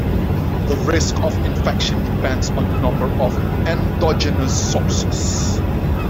The risk of infection depends on a number of endogenous sources.